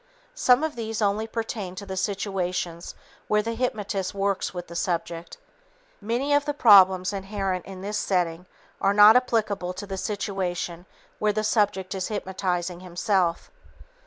Some of these only pertain to the situations where the hypnotist works with the subject. Many of the problems inherent in this setting are not applicable to the situation where the subject is hypnotizing himself.